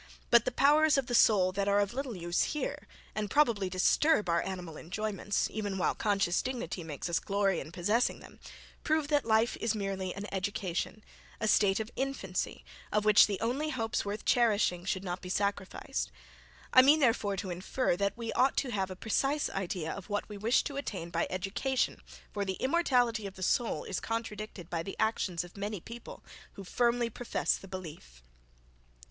But the powers of the soul that are of little use here, and, probably, disturb our animal enjoyments, even while conscious dignity makes us glory in possessing them, prove that life is merely an education, a state of infancy, of which the only hopes worth cherishing should not be sacrificed. I mean, therefore to infer, that we ought to have a precise idea of what we wish to attain by education, for the immortality of the soul is contradicted by the actions of many people, who firmly profess the belief.